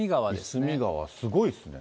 夷隅川、すごいですね。